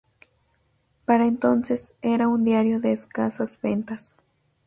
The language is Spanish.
Para entonces era un diario de escasas ventas.